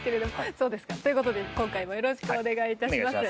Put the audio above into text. そうですか。ということで今回もよろしくお願いいたします。